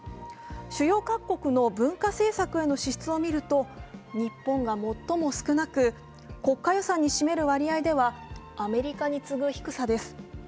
主要各国の文化政策への支出を見ると日本が最も少なく、国家予算に占める割合ではアメリカに次ぐ低さです。